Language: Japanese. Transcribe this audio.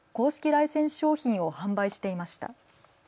ライセンス商品を販売していました。